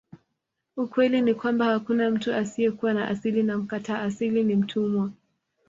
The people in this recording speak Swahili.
Ukweli ni kwamba hakuna mtu asiyekuwa na asili na mkataa asili ni mtumwa